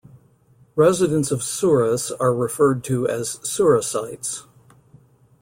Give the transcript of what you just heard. Residents of Souris are referred to as Sourisites.